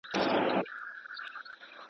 له عالمه ووزه، له نرخه ئې مه وزه.